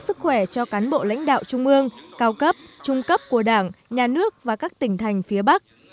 sức khỏe cho cán bộ lãnh đạo trung ương cao cấp trung cấp của đảng nhà nước và các tỉnh thành phía bắc